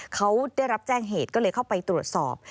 เขาได้รับแจ้งเหตุก็เลยเข้าไปตรวจสอบ